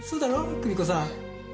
久美子さん。